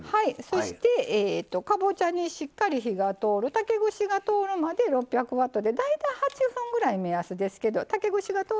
そしてかぼちゃにしっかり火が通る竹串が通るまで６００ワットで大体８分ぐらい目安ですけど竹串が通ればＯＫです。